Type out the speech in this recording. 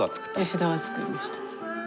吉田が作りました。